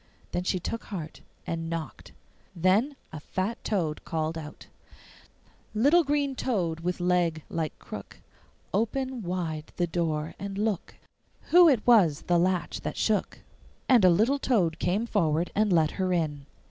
Then she took heart and knocked. Then a fat toad called out: 'Little green toad with leg like crook, Open wide the door, and look Who it was the latch that shook.' And a little toad came forward and let her in.